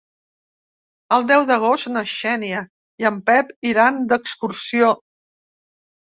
El deu d'agost na Xènia i en Pep iran d'excursió.